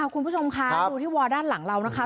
คุณผู้ชมคะดูที่วอลด้านหลังเรานะคะ